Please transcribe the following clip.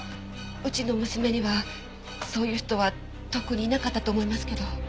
うちの娘にはそういう人は特にいなかったと思いますけど。